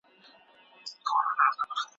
کمپيوټر شواهد خوندي کوي.